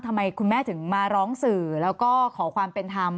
ทำไมคุณแม่ถึงมาร้องสื่อแล้วก็ขอความเป็นธรรม